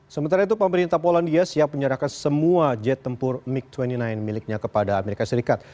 sementara itu pemerintah polandia siap menyerahkan semua jet tempur mig dua puluh sembilan miliknya kepada amerika serikat